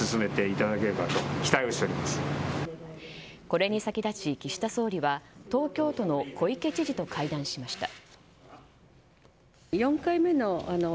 これに先立ち、岸田総理は東京都の小池知事と会談しました。